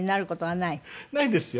ないですよ。